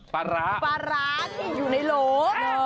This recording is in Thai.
ปลาร้าปลาร้าที่อยู่ในโหล